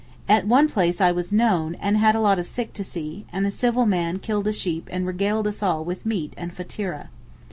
At one place I was known, and had a lot of sick to see, and a civil man killed a sheep and regaled us all with meat and fateereh.